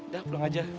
udah pulang aja